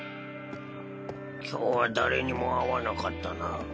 今日は誰にも会わなかったな。